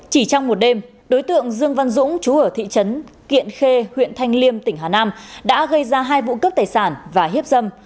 chỉ trong một đêm đối tượng dương văn dũng chú ở thị trấn kiện khê huyện thanh liêm tỉnh hà nam đã gây ra hai vụ cướp tài sản và hiếp dâm